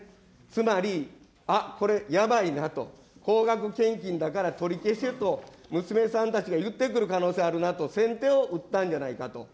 つまり、あっ、これやばいなと、高額献金だから取り消せと娘さんたちが言ってくる可能性があるなと、先手を打ったんじゃないかと。